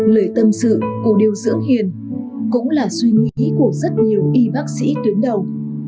lời tâm sự của điều dưỡng hiền cũng là suy nghĩ của rất nhiều y bác sĩ tuyến đầu